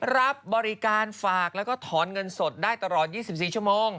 รับบริการฝากแล้วก็ถอนเงินสดได้ตลอด๒๔ชั่วโมง